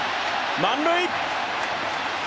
満塁。